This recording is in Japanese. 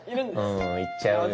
うん言っちゃうよね。